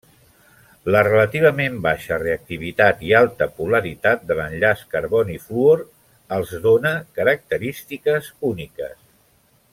La relativament baixa reactivitat i alta polaritat de l'enllaç carboni-fluor els dóna característiques úniques.